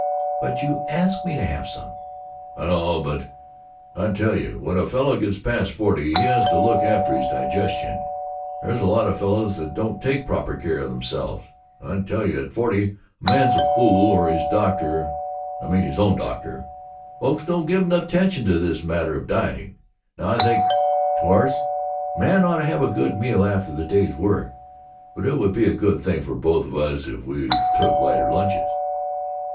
"But you asked me to have some." "I know, but I tell you, when a fellow gets past forty he has to look after his digestion. There's a lot of fellows that don't take proper care of themselves. I tell you at forty a man's a fool or his doctor I mean, his own doctor. Folks don't give enough attention to this matter of dieting. Now I think Course a man ought to have a good meal after the day's work, but it would be a good thing for both of us if we took lighter lunches."